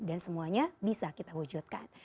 dan semuanya bisa kita wujudkan